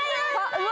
うわ！